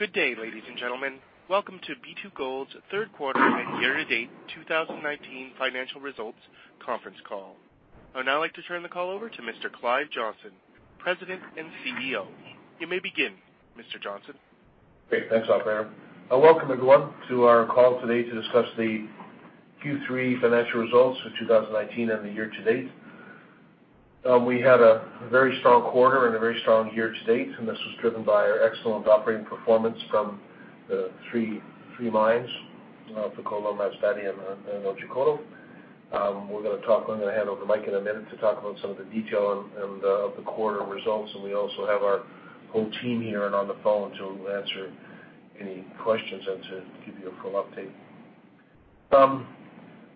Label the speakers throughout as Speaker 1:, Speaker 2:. Speaker 1: Good day, ladies and gentlemen. Welcome to B2Gold's third quarter and year-to-date 2019 financial results conference call. I would now like to turn the call over to Mr. Clive Johnson, President and CEO. You may begin, Mr. Johnson.
Speaker 2: Great. Thanks, operator. Welcome everyone to our call today to discuss the Q3 financial results of 2019 and the year to date. We had a very strong quarter and a very strong year to date. This was driven by our excellent operating performance from the three mines, Fekola, Masbate, and Otjikoto. I'm going to hand over the mic in a minute to talk about some of the detail of the quarter results. We also have our whole team here and on the phone to answer any questions and to give you a full update. Some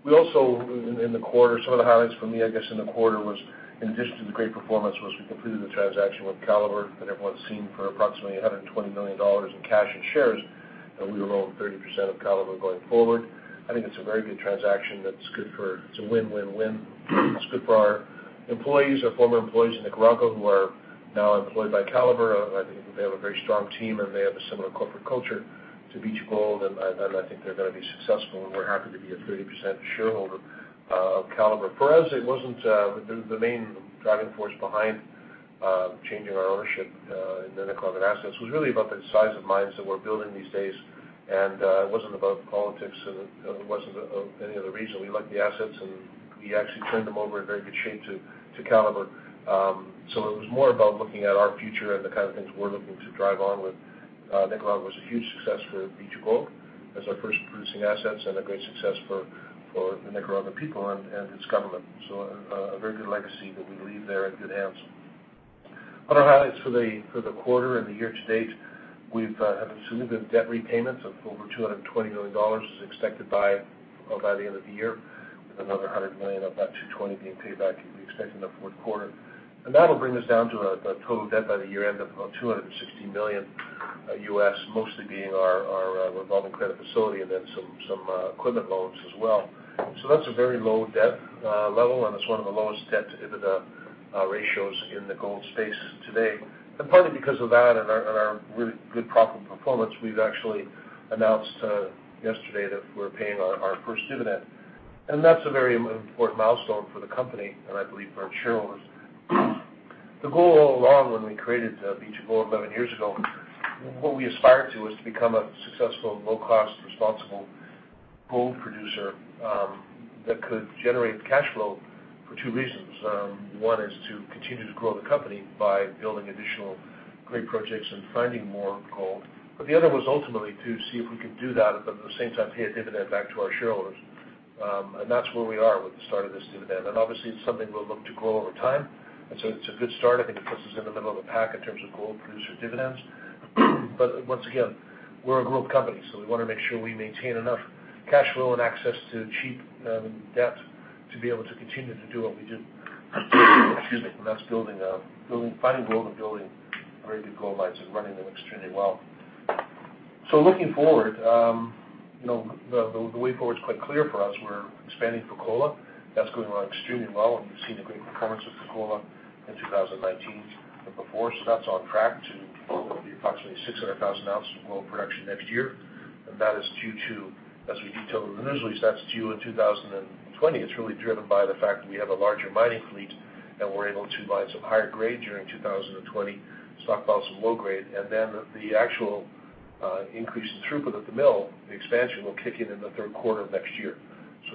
Speaker 2: of the highlights for me, I guess in the quarter was, in addition to the great performance, was we completed the transaction with Calibre that everyone's seen for approximately $120 million in cash and shares. We will own 30% of Calibre going forward. I think it's a very good transaction. It's a win-win-win. It's good for our employees or former employees in Nicaragua who are now employed by Calibre. I think they have a very strong team, and they have a similar corporate culture to B2Gold, and I think they're going to be successful, and we're happy to be a 30% shareholder of Calibre. For us, the main driving force behind changing our ownership in the Nicaraguan assets was really about the size of mines that we're building these days, and it wasn't about politics and it wasn't any other reason. We liked the assets, and we actually turned them over in very good shape to Calibre. It was more about looking at our future and the kind of things we're looking to drive on with. Nicaragua was a huge success for B2Gold as our first producing assets and a great success for the Nicaraguan people and its government. A very good legacy that we leave there in good hands. Other highlights for the quarter and the year to date, we have assumed the debt repayments of over $220 million as expected by the end of the year, with another $100 million of that $220 being paid back we expect in the fourth quarter. That'll bring us down to a total debt by the year-end of about $260 million, mostly being our revolving credit facility and then some equipment loans as well. That's a very low debt level, and it's one of the lowest debt to EBITDA ratios in the gold space today. Partly because of that and our really good profit performance, we've actually announced yesterday that we're paying our first dividend. That's a very important milestone for the company, and I believe for our shareholders. The goal all along when we created B2Gold 11 years ago, what we aspired to was to become a successful, low-cost, responsible gold producer that could generate cash flow for two reasons. One is to continue to grow the company by building additional great projects and finding more gold. The other was ultimately to see if we could do that but at the same time, pay a dividend back to our shareholders. That's where we are with the start of this dividend. Obviously, it's something we'll look to grow over time, it's a good start. I think it puts us in the middle of the pack in terms of gold producer dividends. Once again, we're a growth company, so we want to make sure we maintain enough cash flow and access to cheap debt to be able to continue to do what we do. Excuse me. That's finding gold and building very good gold mines and running them extremely well. Looking forward, the way forward is quite clear for us. We're expanding Fekola. That's going extremely well, and you've seen the great performance of Fekola in 2019 and before. That's on track to be approximately 600,000 ounces of gold production next year. That is due to, as we detailed in the news release, that's due in 2020. It's really driven by the fact that we have a larger mining fleet, and we're able to mine some higher grade during 2020, stockpiles some low grade, and then the actual increased throughput at the mill, the expansion will kick in in the third quarter of next year.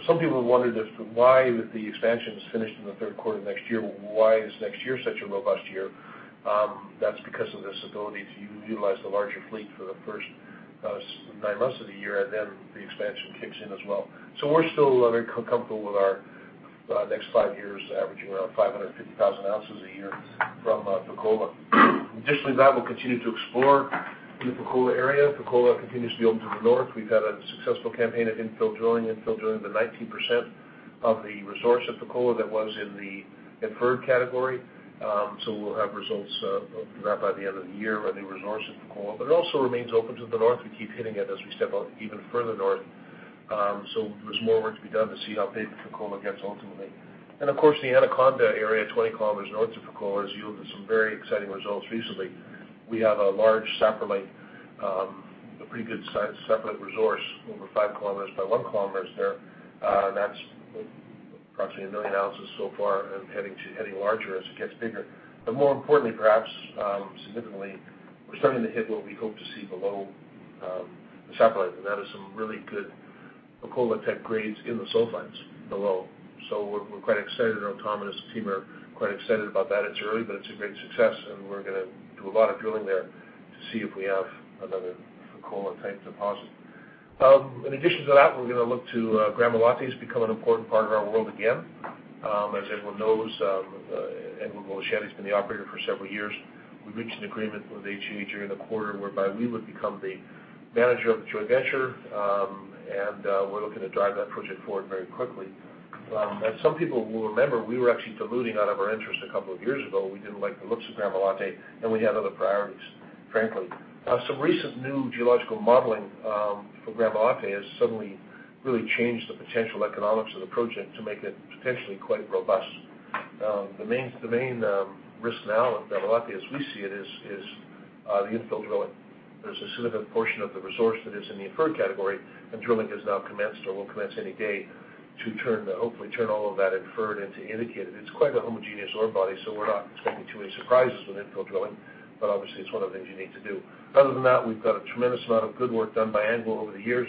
Speaker 2: Some people have wondered why the expansion is finished in the third quarter of next year. Why is next year such a robust year? That's because of this ability to utilize the larger fleet for the first nine months of the year, and then the expansion kicks in as well. We're still very comfortable with our next five years averaging around 550,000 ounces a year from Fekola. Additionally to that, we'll continue to explore in the Fekola area. Fekola continues to be open to the north. We've had a successful campaign of infill drilling, infill drilling the 19% of the resource at Fekola that was in the inferred category. We'll have results of that by the end of the year, a new resource at Fekola. It also remains open to the north. We keep hitting it as we step out even further north. There's more work to be done to see how big Fekola gets ultimately. Of course, the Anaconda area, 20 kilometers north of Fekola, has yielded some very exciting results recently. We have a large saprolite, a pretty good saprolite resource over 5 kilometers by 1 kilometer there. That's approximately 1 million ounces so far and heading larger as it gets bigger. More importantly perhaps, significantly, we're starting to hit what we hope to see below the saprolite, and that is some really good Fekola type grades in the sulfides below. We're quite excited, and Tom and his team are quite excited about that. It's early, but it's a great success, and we're going to do a lot of drilling there to see if we have another Fekola type deposit. In addition to that, we're going to look to Gramalote to become an important part of our world again. As everyone knows, AngloGold Ashanti been the operator for several years. We reached an agreement with AGA during the quarter whereby we would become the manager of the joint venture, and we're looking to drive that project forward very quickly. As some people will remember, we were actually diluting out of our interest a couple of years ago. We didn't like the looks of Gramalote, and we had other priorities, frankly. Some recent new geological modeling for Gramalote has suddenly really changed the potential economics of the project to make it potentially quite robust. The main risk now at Gramalote, as we see it, is the infill drilling. There's a significant portion of the resource that is in the inferred category and drilling has now commenced or will commence any day to hopefully turn all of that inferred into indicated. It's quite a homogeneous ore body, so we're not expecting too many surprises with infill drilling, but obviously it's one of the things you need to do. Other than that, we've got a tremendous amount of good work done by Anglo over the years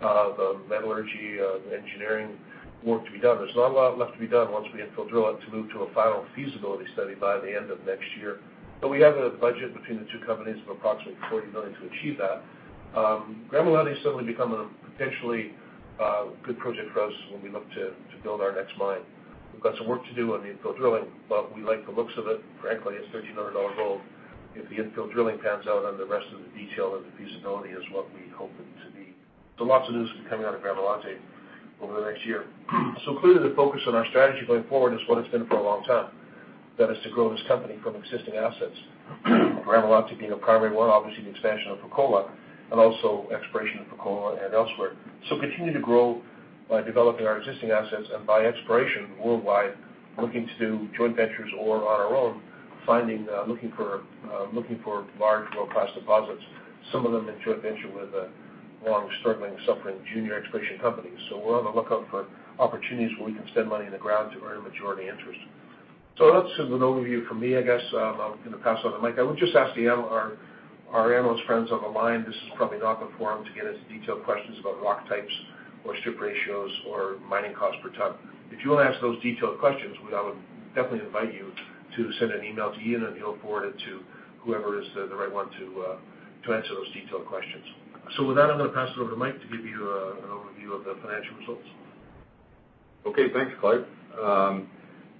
Speaker 2: of metallurgy, of engineering work to be done. There's not a lot left to be done once we infill drill it to move to a final feasibility study by the end of next year. We have a budget between the two companies of approximately $40 million to achieve that. Gramalote is certainly becoming a potentially good project for us when we look to build our next mine. We've got some work to do on the infill drilling, but we like the looks of it. Frankly, it's $1,300 gold. If the infill drilling pans out, then the rest of the detail of the feasibility is what we hope it to be. Lots of news coming out of Gramalote over the next year. Clearly the focus on our strategy going forward is what it's been for a long time. That is to grow this company from existing assets, Gramalote being a primary one, obviously the expansion of Fekola, and also exploration of Fekola and elsewhere. Continue to grow by developing our existing assets and by exploration worldwide, looking to do joint ventures or on our own, looking for large low-cost deposits, some of them in joint venture with long struggling, suffering junior exploration companies. We're on the lookout for opportunities where we can spend money in the ground to earn a majority interest. That's an overview from me, I guess I'm going to pass on to Mike. I would just ask our analyst friends on the line, this is probably not the forum to get into detailed questions about rock types or strip ratios or mining cost per ton. If you want to ask those detailed questions, I would definitely invite you to send an email to Ian and he'll forward it to whoever is the right one to answer those detailed questions. With that, I'm going to pass it over to Mike to give you an overview of the financial results.
Speaker 3: Okay, thanks, Clive.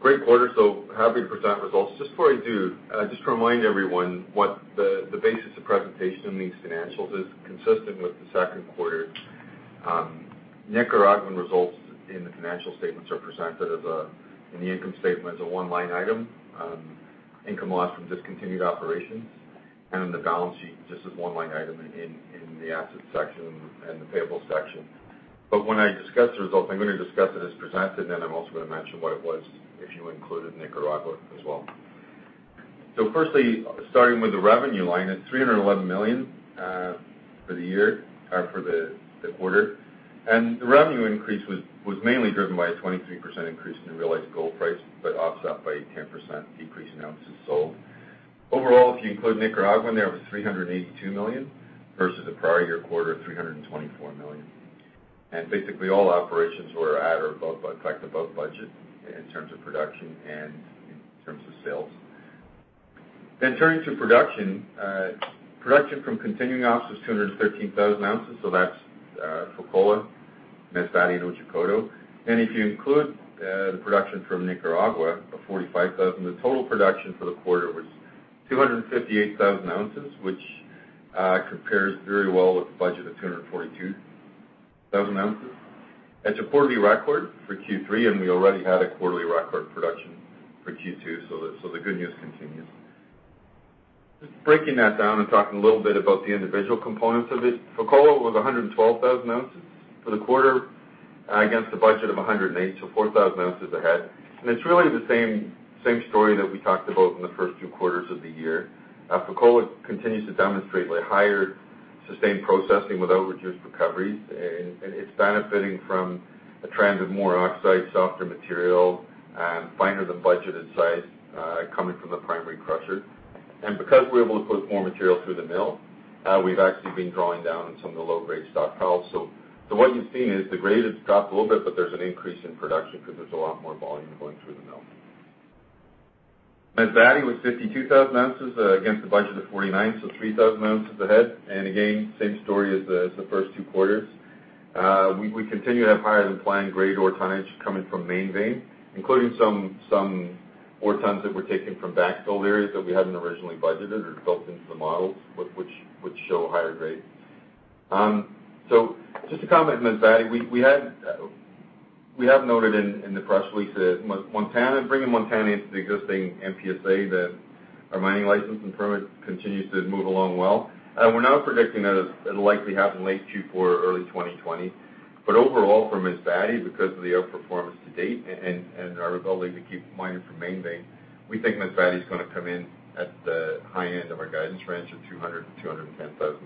Speaker 3: Great quarter, so happy to present results. Just before I do, just to remind everyone what the basis of presentation of these financials is consistent with the second quarter. Nicaraguan results in the financial statements are presented in the income statement as a one-line item, income loss from discontinued operations. In the balance sheet, just as one line item in the asset section and the payable section. When I discuss the results, I'm going to discuss it as presented, and then I'm also going to mention what it was if you included Nicaragua as well. Firstly, starting with the revenue line, it's $311 million for the quarter, and the revenue increase was mainly driven by a 23% increase in the realized gold price, but offset by a 10% decrease in ounces sold. Overall, if you include Nicaragua in there, it was $382 million versus the prior year quarter of $324 million. Basically all operations were at or above budget in terms of production and in terms of sales. Turning to production. Production from continuing ops was 213,000 ounces, so that's Fekola, Masbate, and Otjikoto. If you include the production from Nicaragua of 45,000, the total production for the quarter was 258,000 ounces, which compares very well with the budget of 242,000 ounces. It's a quarterly record for Q3, and we already had a quarterly record production for Q2, so the good news continues. Just breaking that down and talking a little bit about the individual components of it. Fekola was 112,000 ounces for the quarter against a budget of 108, so 4,000 ounces ahead. It's really the same story that we talked about in the first two quarters of the year. Fekola continues to demonstrate higher sustained processing without reduced recoveries, it's benefiting from a trend of more oxide, softer material, and finer than budgeted size, coming from the primary crusher. Because we're able to put more material through the mill, we've actually been drawing down on some of the low-grade stockpiles. What you've seen is the grade has dropped a little bit, but there's an increase in production because there's a lot more volume going through the mill. Masbate was 52,000 ounces against a budget of 49, 3,000 ounces ahead. Again, same story as the first two quarters. We continue to have higher than planned grade ore tonnage coming from Main Vein, including some ore tons that were taken from backfill areas that we hadn't originally budgeted or built into the models, which show higher grades. Just a comment on Masbate. We have noted in the press release that bringing Montana into the existing MPSA, that our mining license and permit continues to move along well. We're now predicting that it'll likely happen late Q4 or early 2020. Overall for Masbate, because of the outperformance to date and our ability to keep mining from Main Vein, we think Masbate is going to come in at the high end of our guidance range of 200,000-210,000 ounces.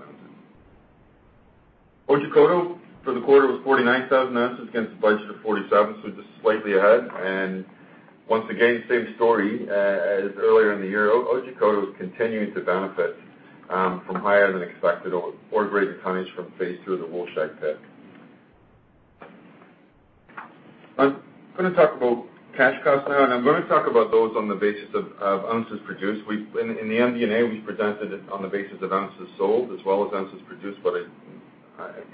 Speaker 3: Otjikoto for the quarter was 49,000 ounces against a budget of 47,000, so just slightly ahead. Once again, same story as earlier in the year. Otjikoto is continuing to benefit from higher than expected ore grade tonnage from phase 2 of the Wolfshag pit. I'm going to talk about cash costs now. I'm going to talk about those on the basis of ounces produced. In the MD&A, we presented it on the basis of ounces sold as well as ounces produced.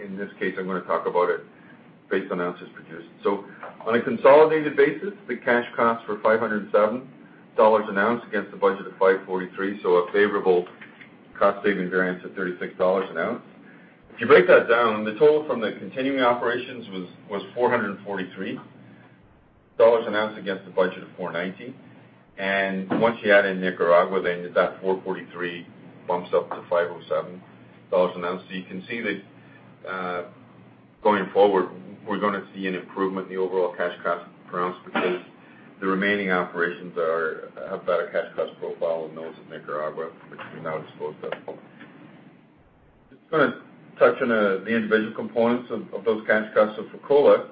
Speaker 3: In this case, I'm going to talk about it based on ounces produced. On a consolidated basis, the cash cost were $507 an ounce against a budget of $543, so a favorable cost saving variance of $36 an ounce. If you break that down, the total from the continuing operations was $443 an ounce against a budget of $419. Once you add in Nicaragua, that $443 bumps up to $507 an ounce. Going forward, we're going to see an improvement in the overall cash cost per ounce, because the remaining operations have a better cash cost profile than those in Nicaragua, which we now disposed of. Just going to touch on the individual components of those cash costs. Fekola,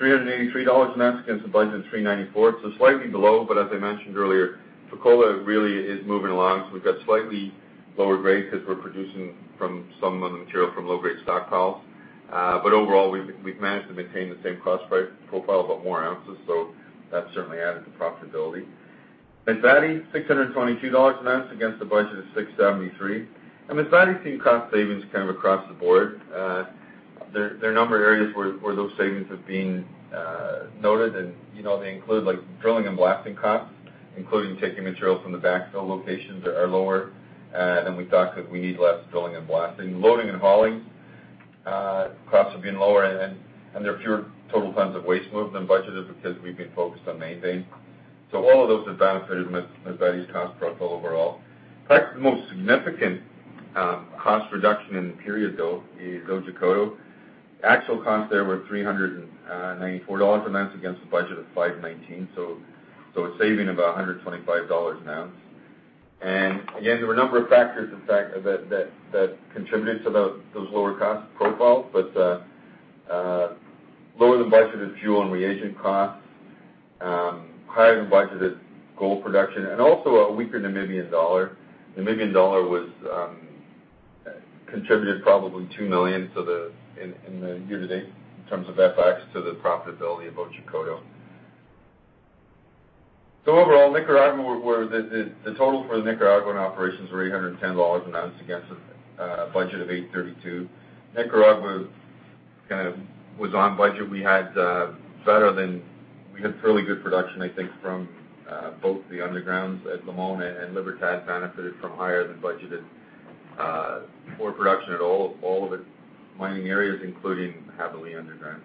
Speaker 3: $383 an ounce against a budget of $394. Slightly below, but as I mentioned earlier, Fekola really is moving along. We've got slightly lower grades because we're producing some of the material from low-grade stockpiles. Overall, we've managed to maintain the same cost profile, but more ounces, so that certainly added to profitability. Masbate, $622 an ounce against a budget of $673. Masbate seen cost savings kind of across the board. There are a number of areas where those savings are being noted and they include drilling and blasting costs, including taking material from the backfill locations are lower than we thought because we need less drilling and blasting. Loading and hauling costs have been lower and there are fewer total tons of waste moved than budgeted because we've been focused on maintaining. All of those have benefited Masbate's cost profile overall. In fact, the most significant cost reduction in the period, though, is Otjikoto. Actual costs there were $394 an ounce against a budget of $519, so a saving of about $125 an ounce. Again, there were a number of factors, in fact, that contributed to those lower cost profiles, lower than budgeted fuel and reagent costs, higher than budgeted gold production, and also a weaker Namibian dollar. Namibian dollar contributed probably $2 million in the year to date in terms of FX to the profitability of Otjikoto. Overall, Nicaragua, the total for the Nicaraguan operations were $810 an ounce against a budget of $832. Nicaragua kind of was on budget. We had fairly good production, I think, from both the undergrounds at Limon, and Libertad benefited from higher than budgeted ore production at all of its mining areas, including heavily underground.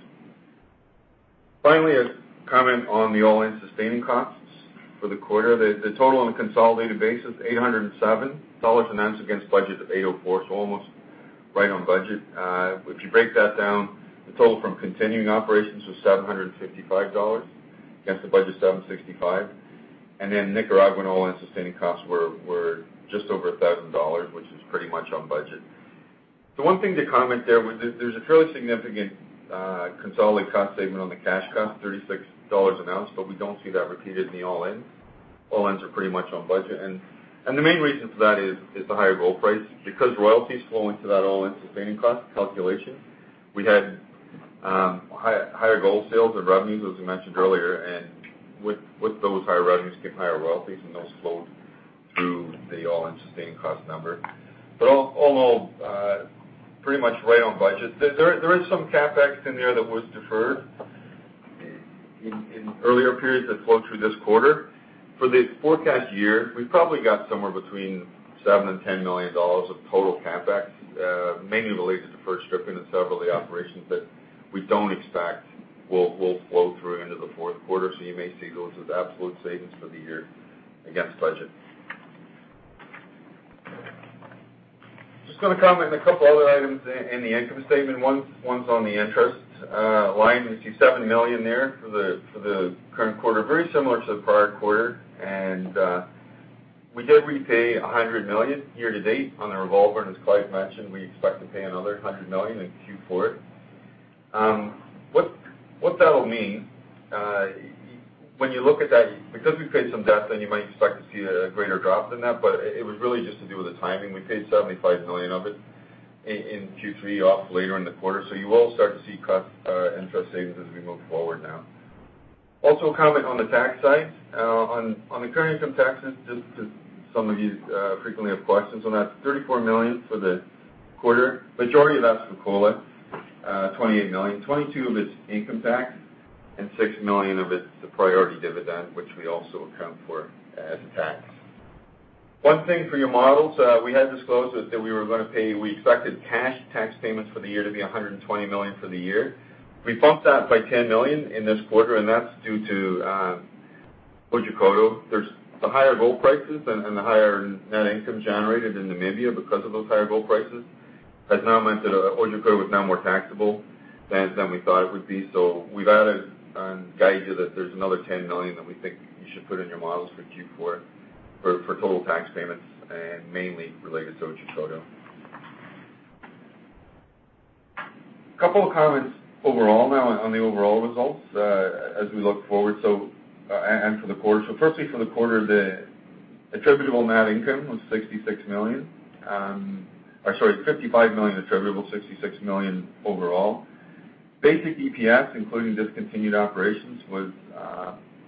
Speaker 3: Finally, a comment on the all-in sustaining costs for the quarter. The total on a consolidated basis, $807 an ounce against budget of $804, almost right on budget. If you break that down, the total from continuing operations was $755 against a budget of $765. Nicaraguan all-in sustaining costs were just over $1,000, which is pretty much on budget. One thing to comment there was there's a fairly significant consolidated cost statement on the cash cost, $36 an ounce, but we don't see that repeated in the all-in. All-ins are pretty much on budget. The main reason for that is the higher gold price. Because royalties flow into that all-in sustaining costs calculation, we had higher gold sales and revenues, as we mentioned earlier, and with those higher revenues came higher royalties, and those flowed through the all-in sustaining costs number. All in all, pretty much right on budget. There is some CapEx in there that was deferred in earlier periods that flowed through this quarter. For the forecast year, we've probably got somewhere between $7 million and $10 million of total CapEx, mainly related to first stripping of several of the operations that we don't expect will flow through into the fourth quarter. You may see those as absolute savings for the year against budget. Just going to comment on a couple other items in the income statement. One's on the interest line. You see $7 million there for the current quarter, very similar to the prior quarter. We did repay $100 million year to date on the revolver. As Clive mentioned, we expect to pay another $100 million in Q4. What that'll mean, when you look at that, because we paid some debt down, you might expect to see a greater drop than that, but it was really just to do with the timing. We paid $75 million of it in Q3 off later in the quarter. You will start to see interest savings as we move forward now. I also comment on the tax side. On the current income taxes, just because some of you frequently have questions on that, $34 million for the quarter, majority of that's Fekola, $28 million. 22 of it's income tax and $6 million of it's the priority dividend, which we also account for as a tax. One thing for your models, we had disclosed that we expected cash tax payments for the year to be $120 million for the year. We bumped that by $10 million in this quarter. That's due to Otjikoto. The higher gold prices and the higher net income generated in Namibia because of those higher gold prices, has now meant that Otjikoto is now more taxable than we thought it would be. We've added and guided you that there's another $10 million that we think you should put in your models for Q4 for total tax payments and mainly related to Otjikoto. A couple of comments overall now on the overall results as we look forward and for the quarter. Firstly, for the quarter, the attributable net income was $66 million. Sorry, $55 million attributable, $66 million overall. Basic EPS, including discontinued operations, was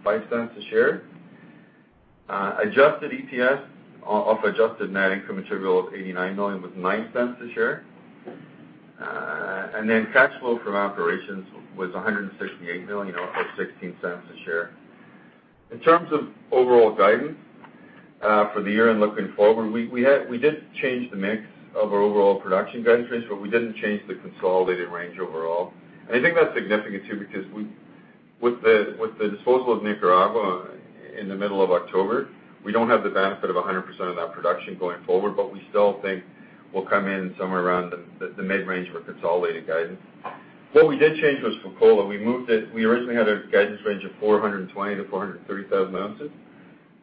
Speaker 3: $0.05 a share. Adjusted EPS off adjusted net income attributable of $89 million was $0.09 a share. Cash flow from operations was $168 million or $0.16 a share. In terms of overall guidance for the year and looking forward, we did change the mix of our overall production guidance range, but we didn't change the consolidated range overall. I think that's significant too, because With the disposal of Nicaragua in the middle of October, we don't have the benefit of 100% of that production going forward, but we still think we'll come in somewhere around the mid-range for consolidated guidance. What we did change was Fekola. We originally had a guidance range of 420,000 to 430,000 ounces.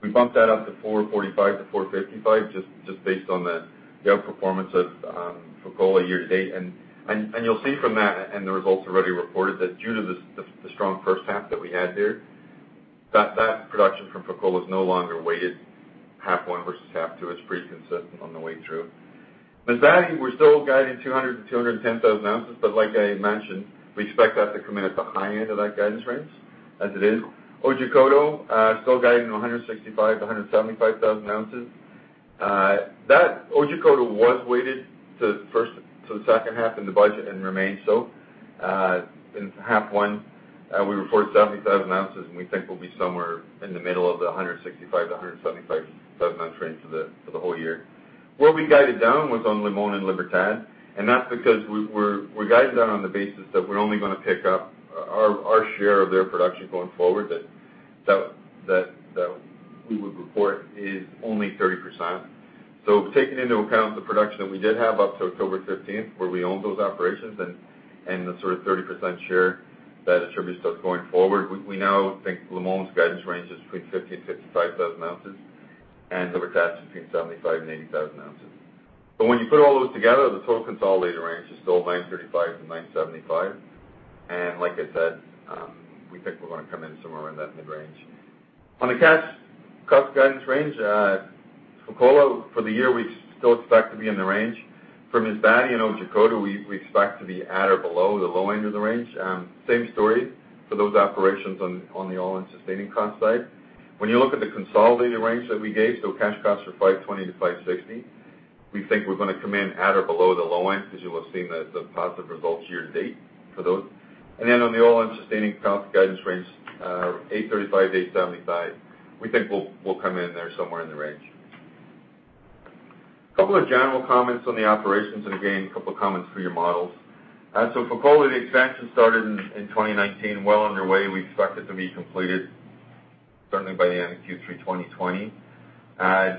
Speaker 3: We bumped that up to 445,000 to 455,000, just based on the outperformance of Fekola year to date. You'll see from that, and the results already reported, that due to the strong first half that we had there, that production from Fekola is no longer weighted half one versus half two. It's pretty consistent on the way through. Masbate, we're still guiding 200,000 to 210,000 ounces, like I mentioned, we expect that to come in at the high end of that guidance range as it is. Otjikoto, still guiding 165,000 to 175,000 ounces. Otjikoto was weighted to the second half in the budget and remains so. In H1, we reported 70,000 ounces, and we think we'll be somewhere in the middle of the 165,000-175,000 ounce range for the whole year. Where we guided down was on El Limon and Libertad, and that's because we guided down on the basis that we're only going to pick up our share of their production going forward, that we would report is only 30%. Taking into account the production that we did have up to October 15th, where we own those operations and the 30% share that attributes to us going forward, we now think El Limon's guidance range is between 50,000-55,000 ounces, and Libertad's between 75,000-80,000 ounces. When you put all those together, the total consolidated range is still 935,000-975,000. Like I said, we think we're going to come in somewhere in that mid-range. On the cash cost guidance range, Fekola for the year, we still expect to be in the range. For Masbate and Otjikoto, we expect to be at or below the low end of the range. Same story for those operations on the all-in sustaining costs side. When you look at the consolidated range that we gave, cash costs for $520 to $560, we think we're going to come in at or below the low end, as you will have seen the positive results year to date for those. On the all-in sustaining costs guidance range, $835 to $875, we think we'll come in there somewhere in the range. A couple of general comments on the operations and again, a couple of comments for your models. Fekola, the expansion started in 2019, well underway. We expect it to be completed certainly by the end of Q3 2020.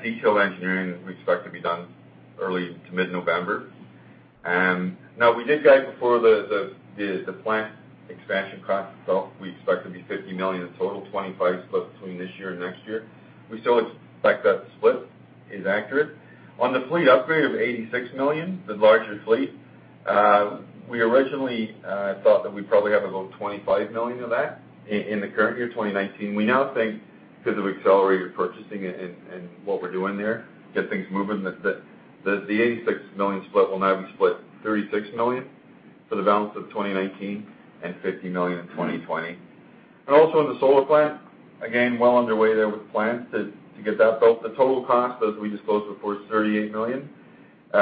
Speaker 3: Detailed engineering, we expect to be done early to mid-November. We did guide before the plant expansion cost itself, we expect to be $50 million in total, $25 million split between this year and next year. We still expect that split is accurate. The fleet upgrade of $86 million, the larger fleet, we originally thought that we'd probably have about $25 million of that in the current year, 2019. We now think because of accelerated purchasing and what we're doing there to get things moving, that the $86 million split will now be split $36 million for the balance of 2019 and $50 million in 2020. The solar plant, again, well underway there with the plant to get that built. The total cost, as we disclosed before, is $38 million.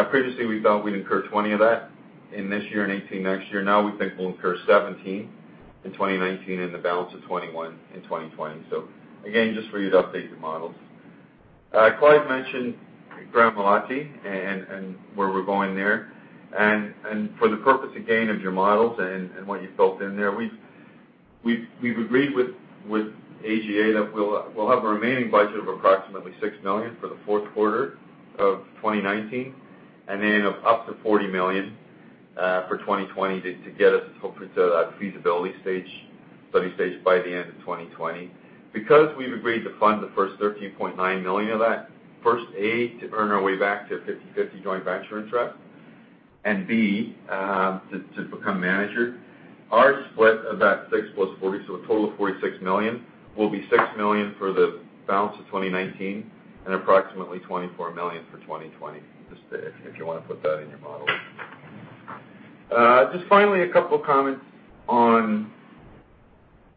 Speaker 3: Previously, we thought we'd incur $20 million of that in this year, and $18 million next year. Now we think we'll incur $17 million in 2019 and the balance of $21 million in 2020. Again, just for you to update your models. Clive mentioned Gramalote and where we're going there. For the purpose, again, of your models and what you've built in there, we've agreed with AGA that we'll have a remaining budget of approximately $6 million for the fourth quarter of 2019 and then of up to $40 million for 2020 to get us hopefully to that feasibility study stage by the end of 2020. We've agreed to fund the first $13.9 million of that, first A, to earn our way back to a 50/50 joint venture interest, and B, to become manager, our split of that 6 plus 40, so a total of $46 million, will be $6 million for the balance of 2019 and approximately $24 million for 2020. If you want to put that in your models. Finally, a couple of comments on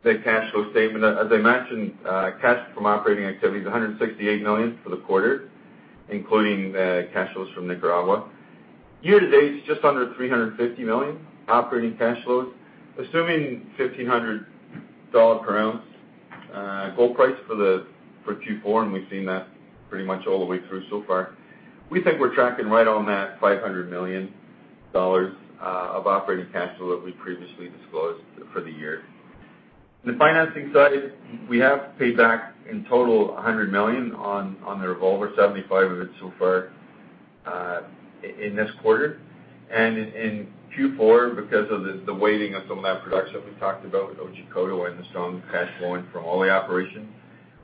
Speaker 3: the cash flow statement. As I mentioned, cash from operating activity is $168 million for the quarter, including the cash flows from Nicaragua. Year to date, it's just under $350 million operating cash flows. Assuming $1,500 per ounce gold price for Q4, and we've seen that pretty much all the way through so far, we think we're tracking right on that $500 million of operating cash flow that we previously disclosed for the year. On the financing side, we have paid back in total $100 million on the revolver, $75 million of it so far in this quarter. In Q4, because of the weighting of some of that production we talked about with Otjikoto and the strong cash flowing from all the operations,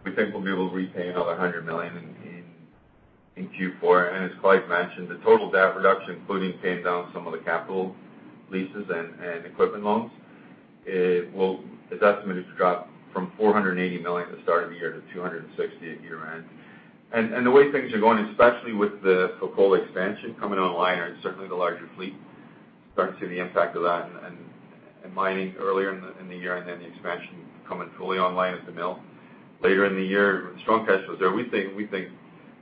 Speaker 3: we think we'll be able to repay another $100 million in Q4. As Clive mentioned, the total debt reduction, including paying down some of the capital leases and equipment loans, is estimated to drop from $480 million at the start of the year to $260 million at year-end. The way things are going, especially with the Fekola expansion coming online, and certainly the larger fleet, starting to see the impact of that and mining earlier in the year and then the expansion coming fully online at the mill later in the year with strong cash flows there, we think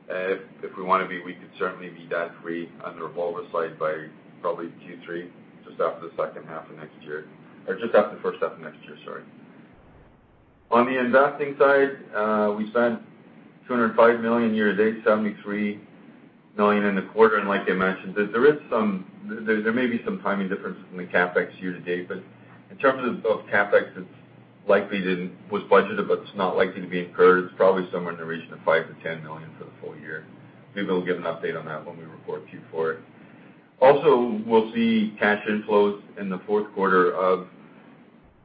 Speaker 3: if we want to be, we could certainly be debt-free on the revolver side by probably Q3, just after the first half of next year. On the investing side, we spent $205 million year-to-date, $73 million in the quarter. Like I mentioned, there may be some timing differences from the CapEx year-to-date, but in terms of both CapEx, it was budgeted, but it's not likely to be incurred. It's probably somewhere in the region of $5 million-$10 million for the full year. Maybe we'll give an update on that when we report Q4. We'll see cash inflows in the fourth quarter of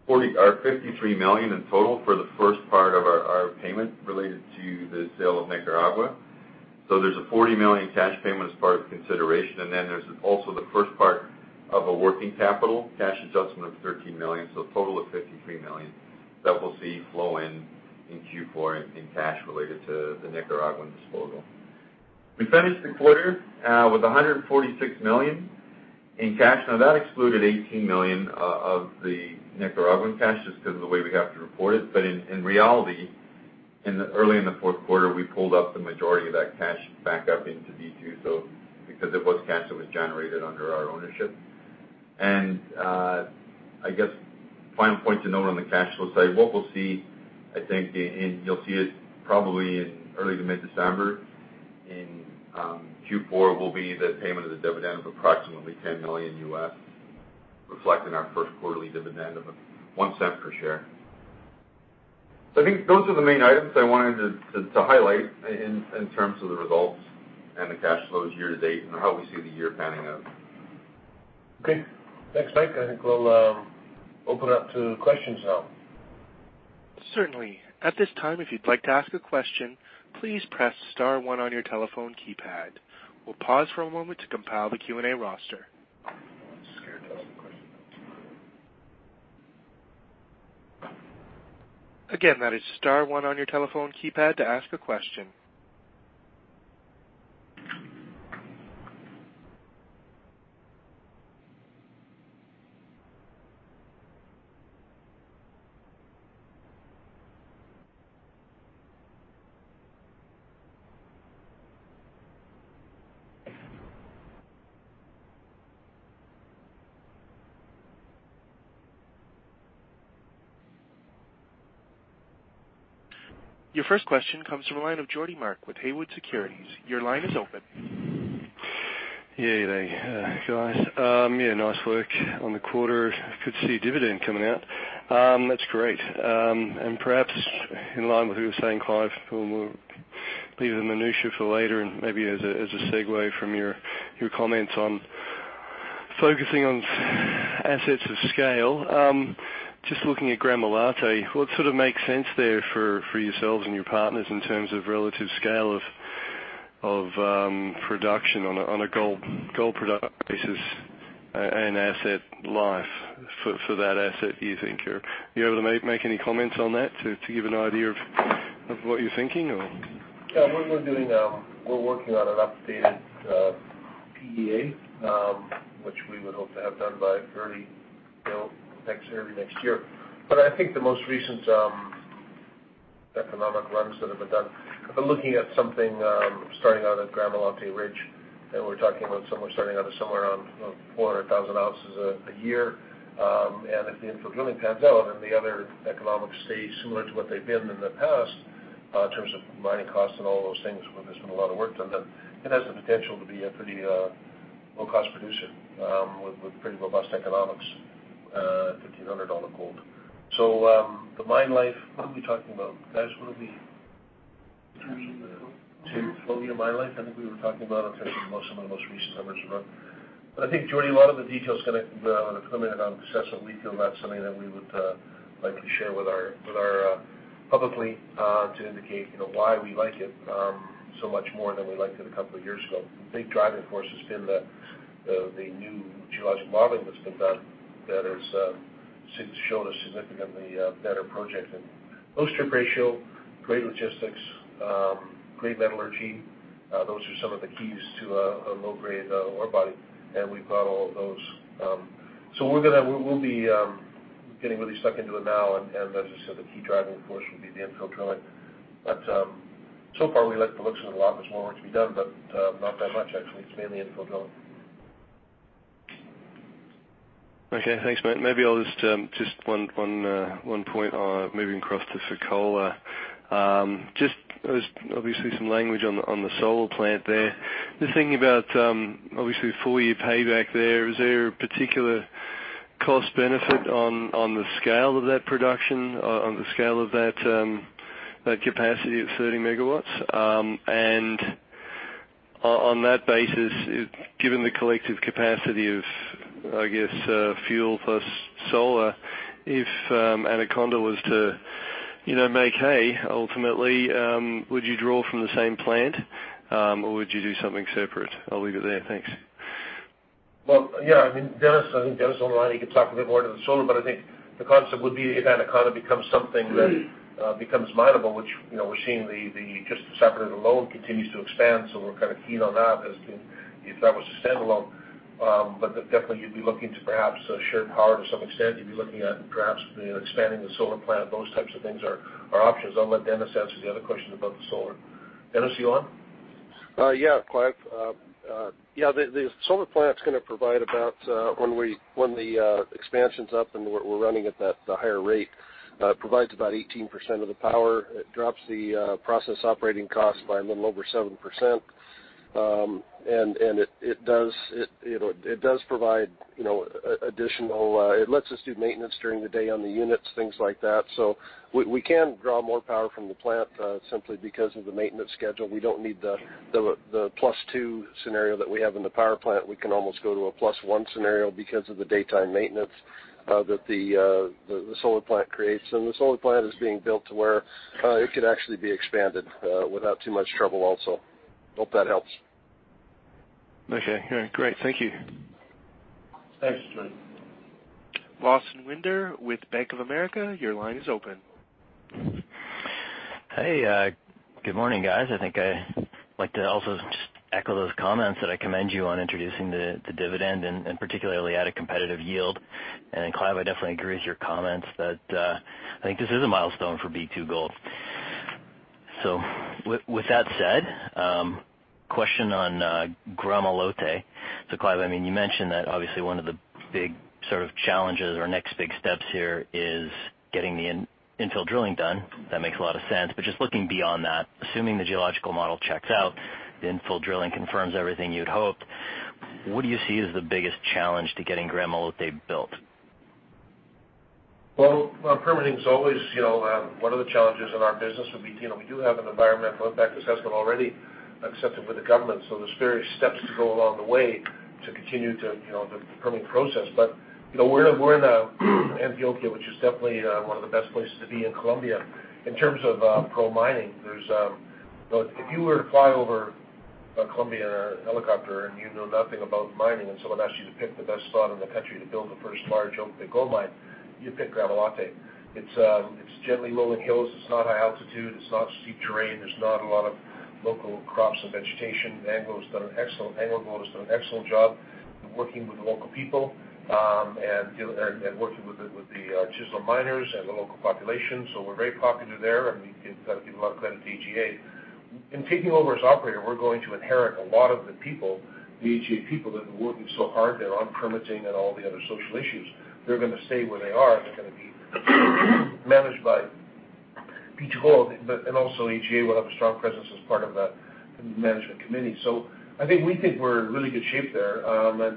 Speaker 3: $53 million in total for the first part of our payment related to the sale of Nicaragua. There's a $40 million cash payment as part of consideration, and then there's also the first part of a working capital cash adjustment of $13 million. A total of $53 million that we'll see flow in in Q4 in cash related to the Nicaraguan disposal. We finished the quarter with $146 million in cash. That excluded $18 million of the Nicaraguan cash just because of the way we have to report it. In reality, early in the fourth quarter, we pulled up the majority of that cash back up into B2 because it was cash that was generated under our ownership. I guess final point to note on the cash flow side, what we'll see, I think, you'll see it probably in early to mid-December in Q4, will be the payment of the dividend of approximately $10 million, reflecting our first quarterly dividend of $0.01 per share. I think those are the main items I wanted to highlight in terms of the results and the cash flows year to date and how we see the year panning out.
Speaker 2: Okay. Thanks, Mike. I think we'll open it up to questions now.
Speaker 1: Certainly. At this time, if you'd like to ask a question, please press star one on your telephone keypad. We'll pause for a moment to compile the Q&A roster.
Speaker 2: Scared to ask a question.
Speaker 1: Again, that is star one on your telephone keypad to ask a question. Your first question comes from the line of Geordie Mark with Haywood Securities. Your line is open.
Speaker 4: Yeah, hey guys. Yeah, nice work on the quarter. Good to see a dividend coming out. That's great. Perhaps in line with what you were saying, Clive, we'll leave the minutia for later, and maybe as a segue from your comments on focusing on assets of scale. Just looking at Gramalote, what sort of makes sense there for yourselves and your partners in terms of relative scale of production on a gold product basis and asset life for that asset, do you think? Are you able to make any comments on that to give an idea of what you're thinking?
Speaker 2: Yeah, we're working on an updated PEA, which we would hope to have done by early next year. I think the most recent economic runs that have been done have been looking at something starting out at Gramalote Ridge, and we're talking about somewhere starting out somewhere around 400,000 ounces a year. If the infill drilling pans out and the other economics stay similar to what they've been in the past in terms of mining costs and all those things where there's been a lot of work done, then it has the potential to be a pretty low-cost producer with pretty robust economics at $1,500 gold. The mine life, what are we talking about, guys?
Speaker 3: Ten.
Speaker 2: 10-year mine life, I think we were talking about on some of the most recent numbers we've run. I think, Geordie, a lot of the details are going to come in and out of the assessment. We feel that's something that we would like to share with our public to indicate why we like it so much more than we liked it a couple of years ago. The big driving force has been the new geological modeling that's been done that has shown a significantly better project and low strip ratio, great logistics, great metallurgy. Those are some of the keys to a low-grade ore body. We've got all of those. We'll be getting really stuck into it now. As I said, the key driving force will be the infill drilling. So far we like the looks of it a lot. There's more work to be done, but not that much, actually. It's mainly infill drilling.
Speaker 4: Okay, thanks, mate. Maybe just one point on moving across to Fekola. Just obviously some language on the solar plant there. Just thinking about, obviously, the four-year payback there, is there a particular cost benefit on the scale of that production, on the scale of that capacity at 30 MW? On that basis, given the collective capacity of, I guess, fuel plus solar, if Anaconda was to make hay ultimately, would you draw from the same plant, or would you do something separate? I'll leave it there. Thanks.
Speaker 2: Yeah, I think Dennis is on the line. He could talk a bit more to the solar, but I think the concept would be if Anaconda becomes something that becomes mineable, which we're seeing just the saprolite continues to expand. We're kind of keen on that because if that was a standalone, but definitely you'd be looking to perhaps share power to some extent. You'd be looking at perhaps expanding the solar plant. Those types of things are options. I'll let Dennis answer the other questions about the solar. Dennis, are you on?
Speaker 3: Yeah, Clive. The solar plant's going to provide about, when the expansion's up and we're running at the higher rate, it provides about 18% of the power. It drops the process operating cost by a little over 7%. It lets us do maintenance during the day on the units, things like that. We can draw more power from the plant, simply because of the maintenance schedule. We don't need the plus 2 scenario that we have in the power plant. We can almost go to a plus 1 scenario because of the daytime maintenance that the solar plant creates. The solar plant is being built to where it could actually be expanded, without too much trouble also. Hope that helps.
Speaker 4: Okay. All right, great. Thank you.
Speaker 2: Thanks, Geordie.
Speaker 1: Lawson Winder with Bank of America, your line is open.
Speaker 5: Hey, good morning, guys. I think I'd like to also just echo those comments that I commend you on introducing the dividend and particularly at a competitive yield. Clive, I definitely agree with your comments that I think this is a milestone for B2Gold. With that said, question on Gramalote. Clive, you mentioned that obviously one of the big challenges or next big steps here is getting the infill drilling done. That makes a lot of sense, just looking beyond that, assuming the geological model checks out, the infill drilling confirms everything you'd hope, what do you see as the biggest challenge to getting Gramalote built?
Speaker 2: Well, permitting is always one of the challenges in our business. We do have an environmental impact assessment already accepted with the government. There's various steps to go along the way to continue the permitting process. We're in Antioquia, which is definitely one of the best places to be in Colombia in terms of pro-mining. If you were to fly over Colombia in a helicopter and you knew nothing about mining, and someone asked you to pick the best spot in the country to build the first large open pit gold mine, you'd pick Gramalote. It's gently rolling hills. It's not high altitude. It's not steep terrain. There's not a lot of local crops and vegetation. AngloGold has done an excellent job working with the local people, and working with the chisel miners and the local population, so we're very popular there, and we give a lot of credit to AGA. In taking over as operator, we're going to inherit a lot of the people, the AGA people that have been working so hard there on permitting and all the other social issues. They're going to stay where they are, and they're going to be managed by B2Gold, and also AGA will have a strong presence as part of that management committee. I think we're in really good shape there.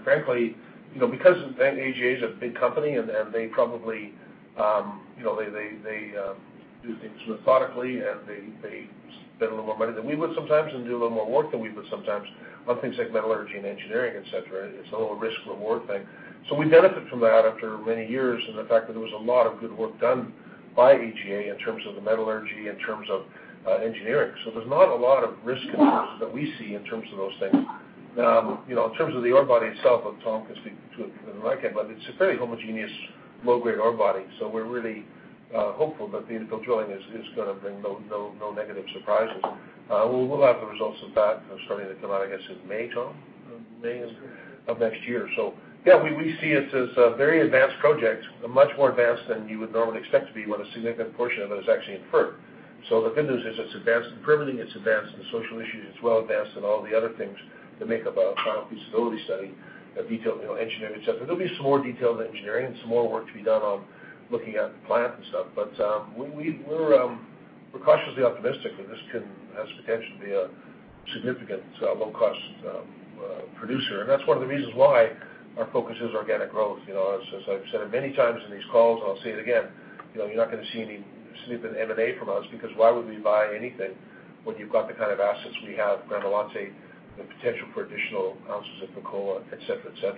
Speaker 2: Frankly, because AGA is a big company and they do things methodically, and they spend a little more money than we would sometimes and do a little more work than we would sometimes on things like metallurgy and engineering, et cetera. It's a little risk reward thing. We benefit from that after many years and the fact that there was a lot of good work done by AGA in terms of the metallurgy, in terms of engineering. There's not a lot of risk in this that we see in terms of those things. In terms of the ore body itself, Tom can speak to it more than I can, but it's a fairly homogeneous, low-grade ore body. We're really hopeful that the infill drilling is going to bring no negative surprises. We'll have the results of that starting to come out, I guess, in May, Tom?
Speaker 3: Yeah.
Speaker 2: Of next year. Yeah, we see it as a very advanced project, much more advanced than you would normally expect to be when a significant portion of it is actually inferred. The good news is it's advanced in permitting, it's advanced in the social issues. It's well advanced in all the other things that make up a final feasibility study, detailed engineering, et cetera. There'll be some more detailed engineering and some more work to be done on looking at the plant and stuff, but we're cautiously optimistic that this has potential to be a significant low-cost producer. That's one of the reasons why our focus is organic growth. As I've said many times in these calls, and I'll say it again, you're not going to see any stupid M&A from us because why would we buy anything when you've got the kind of assets we have, Gramalote, the potential for additional ounces at Fekola, et cetera.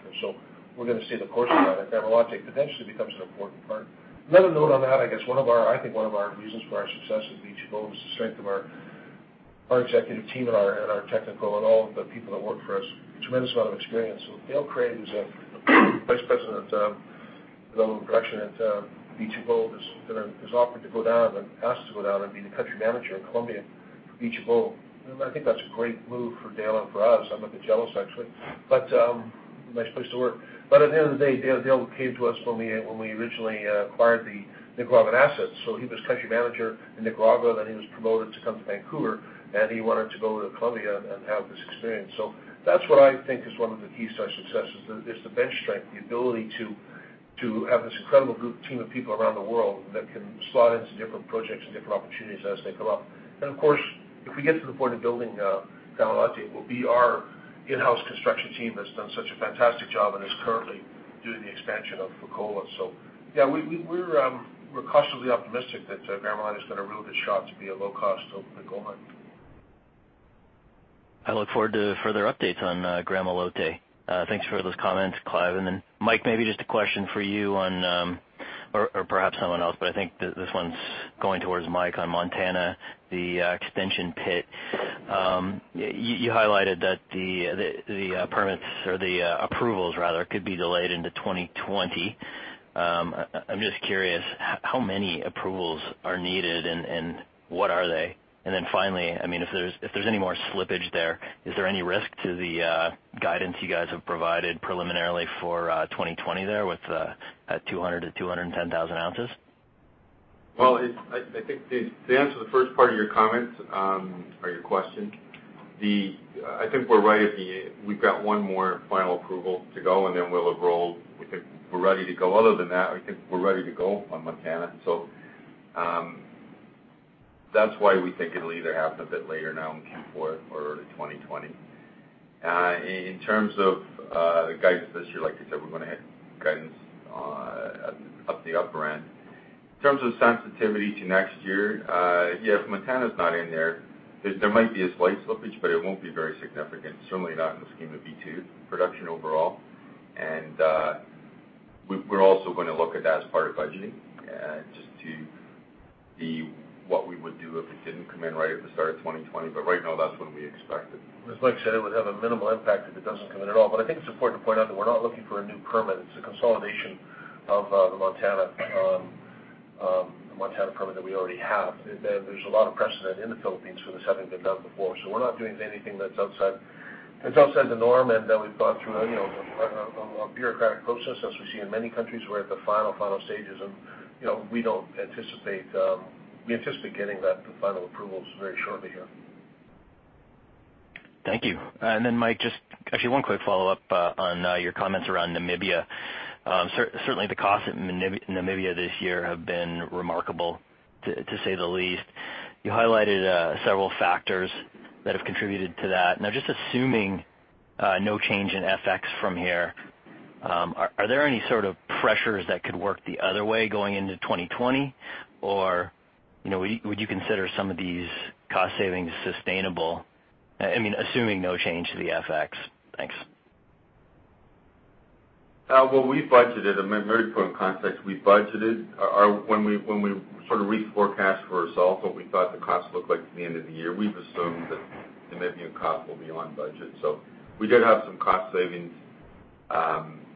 Speaker 2: We're going to see the course about it. Gramalote potentially becomes an important part. Another note on that, I guess, I think one of our reasons for our success with B2Gold is the strength of our executive team and our technical and all of the people that work for us. A tremendous amount of experience with Dale Craig, who's a Vice President of Global Production at B2Gold, has offered to go down and asked to go down and be the country manager in Colombia for B2Gold. I think that's a great move for Dale and for us. I'm a bit jealous, actually. Nice place to work. At the end of the day, Dale came to us when we originally acquired the Nicaraguan assets. He was country manager in Nicaragua, then he was promoted to come to Vancouver, and he wanted to go to Colombia and have this experience. That's what I think is one of the keys to our success, is the bench strength, the ability to have this incredible team of people around the world that can slot into different projects and different opportunities as they come up. Of course, if we get to the point of building Gramalote, it will be our in-house construction team that's done such a fantastic job and is currently doing the expansion of Fekola. Yeah, we're cautiously optimistic that Gramalote is going to prove its shot to be a low-cost open pit gold mine.
Speaker 5: I look forward to further updates on Gramalote. Thanks for those comments, Clive. Mike, maybe just a question for you on, or perhaps someone else, but I think this one's going towards Mike on Montana, the extension pit. You highlighted that the permits or the approvals rather, could be delayed into 2020. I'm just curious, how many approvals are needed and what are they? Finally, if there's any more slippage there, is there any risk to the guidance you guys have provided preliminarily for 2020 there with that 200,000-210,000 ounces?
Speaker 3: Well, I think to answer the first part of your comments or your question, I think we've got one more final approval to go and then we'll have rolled. We're ready to go. Other than that, I think we're ready to go on Gramalote. That's why we think it'll either happen a bit later now in Q4 or early 2020. In terms of the guidance this year, like I said, we're going to hit guidance at the upper end. In terms of sensitivity to next year, yeah, if Gramalote's not in there might be a slight slippage, but it won't be very significant, certainly not in the scheme of B2 production overall. We're also going to look at that as part of budgeting, just to see what we would do if it didn't come in right at the start of 2020. Right now, that's when we expect it.
Speaker 2: As Mike said, it would have a minimal impact if it doesn't come in at all. I think it's important to point out that we're not looking for a new permit. It's a consolidation of the Montana permit that we already have. There's a lot of precedent in the Philippines for this having been done before. We're not doing anything that's outside the norm, and that we've gone through a bureaucratic process as we see in many countries. We're at the final stages and we anticipate getting that, the final approvals very shortly here.
Speaker 5: Thank you. Mike, just actually one quick follow-up on your comments around Namibia. Certainly, the costs in Namibia this year have been remarkable, to say the least. You highlighted several factors that have contributed to that. Just assuming no change in FX from here, are there any sort of pressures that could work the other way going into 2020? Would you consider some of these cost savings sustainable? I mean, assuming no change to the FX. Thanks.
Speaker 3: What we've budgeted, when we sort of reforecast for ourselves what we thought the costs look like at the end of the year, we've assumed that the Namibian cost will be on budget. We did have some cost savings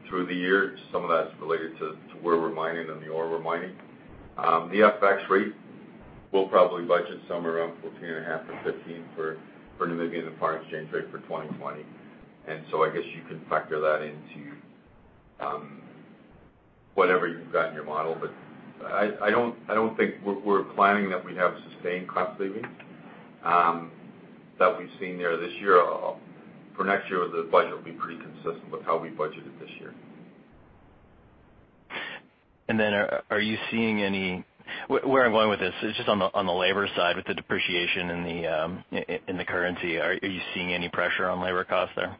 Speaker 3: through the year. Some of that's related to where we're mining and the ore we're mining. The FX rate, we'll probably budget somewhere around 14.5 to 15 for Namibia and the foreign exchange rate for 2020. I guess you can factor that into whatever you've got in your model, but I don't think we're planning that we have sustained cost savings that we've seen there this year. For next year, the budget will be pretty consistent with how we budgeted this year.
Speaker 5: Where I'm going with this is just on the labor side with the depreciation in the currency, are you seeing any pressure on labor costs there?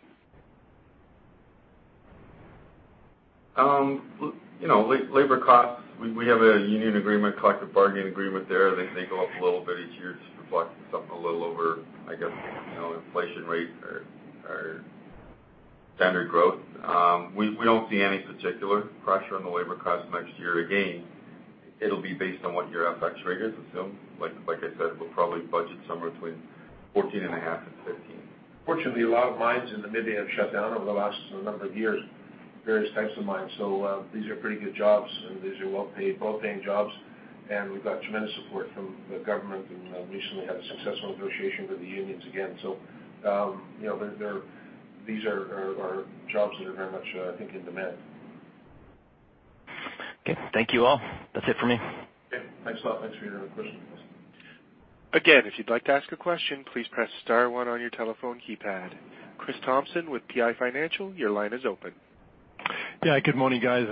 Speaker 3: Labor costs, we have a union agreement, collective bargaining agreement there. They go up a little bit each year just to reflect something a little over, I guess, inflation rate or standard growth. We don't see any particular pressure on the labor costs next year. Again, it'll be based on what your FX rate is assumed. Like I said, we'll probably budget somewhere between 14 and a half and 15.
Speaker 2: Fortunately, a lot of mines in Namibia have shut down over the last number of years, various types of mines. These are pretty good jobs, and these are well-paying jobs, and we've got tremendous support from the government and recently had a successful negotiation with the unions again. These are jobs that are very much, I think, in demand.
Speaker 5: Okay. Thank you all. That's it for me.
Speaker 2: Okay. Thanks a lot. Thanks for your question.
Speaker 1: Again, if you'd like to ask a question, please press *1 on your telephone keypad. Chris Thompson with PI Financial, your line is open.
Speaker 6: Yeah, good morning, guys.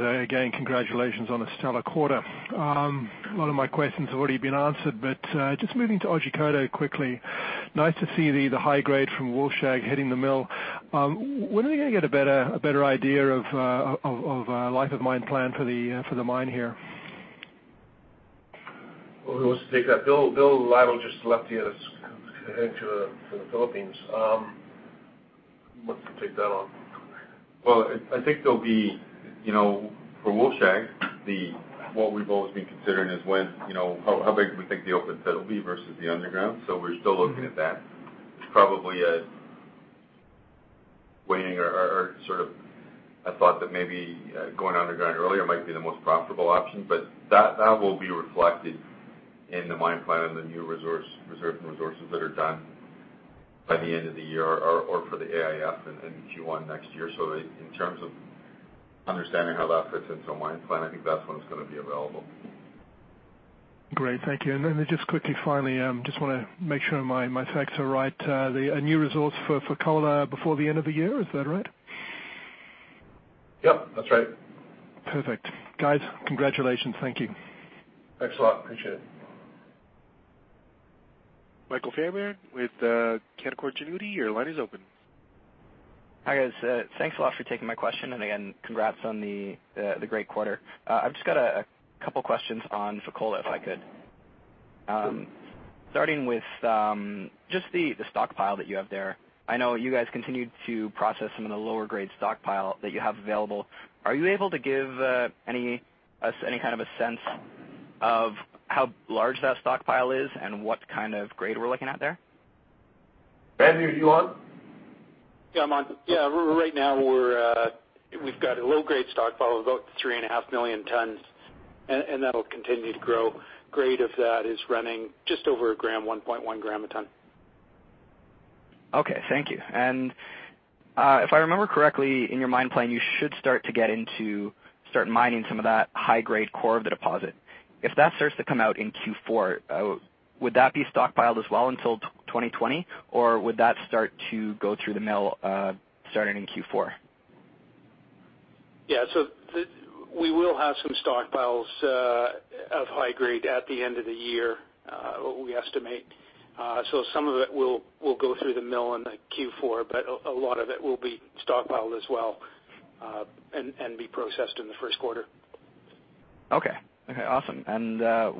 Speaker 6: Congratulations on a stellar quarter. A lot of my questions have already been answered, but just moving to Otjikoto quickly. Nice to see the high grade from Wolfshag hitting the mill. When are we going to get a better idea of life of mine plan for the mine here?
Speaker 2: Who wants to take that? Bill Lytle just left here to head to the Philippines. Who wants to take that on?
Speaker 3: I think there'll be, for Wolfshag, what we've always been considering is how big we think the open pit will be versus the underground. We're still looking at that. It's probably a weighing or sort of a thought that maybe going underground earlier might be the most profitable option, but that will be reflected in the mine plan and the new reserves and resources that are done by the end of the year or for the AIF in Q1 next year. In terms of understanding how that fits into a mine plan, I think that's when it's going to be available.
Speaker 6: Great. Thank you. Just quickly, finally, just want to make sure my facts are right. The new resource for Fekola before the end of the year, is that right?
Speaker 3: Yep, that's right.
Speaker 6: Perfect. Guys, congratulations. Thank you.
Speaker 3: Thanks a lot. Appreciate it.
Speaker 1: Michael Fairbairn with Canaccord Genuity, your line is open.
Speaker 7: Hi, guys. Thanks a lot for taking my question, and again, congrats on the great quarter. I've just got a couple questions on Fekola, if I could.
Speaker 2: Sure.
Speaker 7: Starting with just the stockpile that you have there. I know you guys continued to process some of the lower grade stockpile that you have available. Are you able to give us any kind of a sense of how large that stockpile is and what kind of grade we're looking at there?
Speaker 2: Randy, are you on?
Speaker 8: Yeah, I'm on. Yeah, right now we've got a low-grade stockpile of about 3.5 million tons, and that'll continue to grow. Grade of that is running just over a gram, 1.1 gram a ton.
Speaker 7: Okay, thank you. If I remember correctly, in your mine plan, you should start to get into mining some of that high-grade core of the deposit. If that starts to come out in Q4, would that be stockpiled as well until 2020, or would that start to go through the mill, starting in Q4?
Speaker 2: Yeah. We will have some stockpiles of high grade at the end of the year, we estimate. Some of it will go through the mill in Q4, but a lot of it will be stockpiled as well, and be processed in the first quarter.
Speaker 7: Okay. Awesome.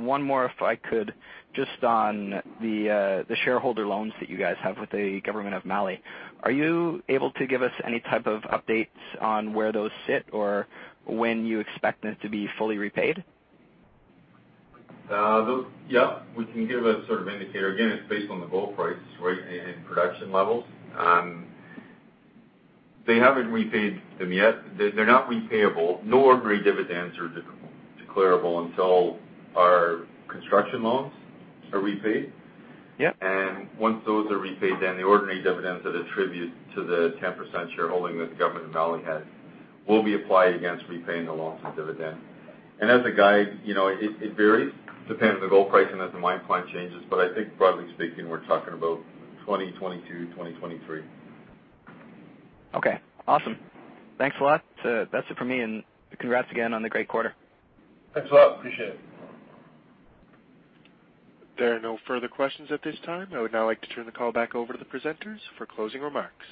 Speaker 7: One more, if I could, just on the shareholder loans that you guys have with the government of Mali. Are you able to give us any type of updates on where those sit or when you expect them to be fully repaid?
Speaker 3: Yeah. We can give a sort of indicator. Again, it's based on the gold prices, right, and production levels. They haven't repaid them yet. They're not repayable. No ordinary dividends are declarable until our construction loans are repaid.
Speaker 7: Yeah.
Speaker 3: Once those are repaid, then the ordinary dividends that attribute to the 10% shareholding that the government of Mali has will be applied against repaying the loans and dividend. As a guide, it varies depending on the gold price and as the mine plan changes. I think broadly speaking, we're talking about 2022, 2023.
Speaker 7: Okay, awesome. Thanks a lot. That's it for me, and congrats again on the great quarter.
Speaker 3: Thanks a lot. Appreciate it.
Speaker 1: There are no further questions at this time. I would now like to turn the call back over to the presenters for closing remarks.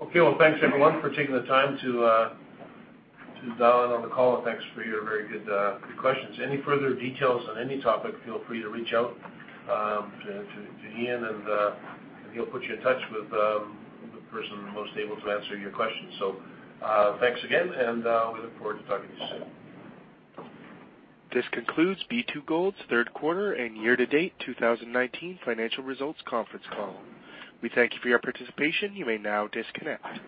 Speaker 2: Okay. Well, thanks, everyone, for taking the time to dial in on the call, and thanks for your very good questions. Any further details on any topic, feel free to reach out to Ian and he'll put you in touch with the person most able to answer your question. Thanks again, and we look forward to talking to you soon.
Speaker 1: This concludes B2Gold's third quarter and year-to-date 2019 financial results conference call. We thank you for your participation. You may now disconnect.